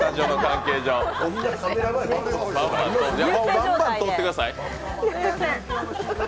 バンバンとってください。